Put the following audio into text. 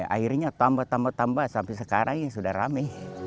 akhirnya tambah tambah sampai sekarang sudah ramai